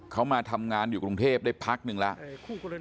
เขามาทำงานอยู่กรุงเทพได้พักหนึ่งแล้ว